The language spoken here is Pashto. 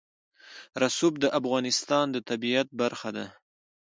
رسوب د افغانستان د طبیعت برخه ده.